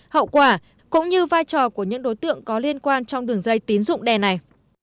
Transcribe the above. hậu quả cũng như vai trò của những đối tượng có liên quan trong đường dây tín dụng đen này